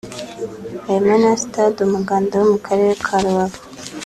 harimo na Stade Umuganda yo mu Karere ka Rubavu